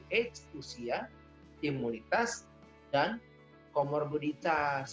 age usia imunitas dan komorbititas